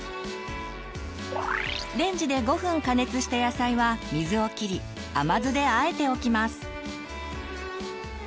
レンジで５分加熱した野菜は水をきり甘酢であえておきます。